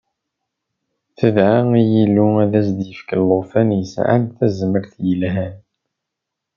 Tedɛa i Yillu ad as-d-yefk llufan yesɛan tazmert yelhan.